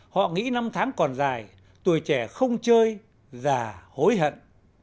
họ nghĩ năm tháng còn dài tuổi trẻ không chơi già hối hận